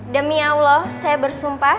demi allah saya bersumpah